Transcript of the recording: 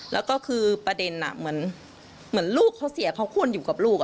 แล้วก็คือประเด็นเหมือนลูกเขาเสียเขาควรอยู่กับลูก